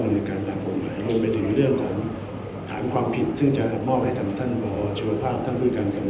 การหลักปรุงหมายลงไปถึงเรื่องของถามความผิดซึ่งจะอดมอบให้ท่านท่าน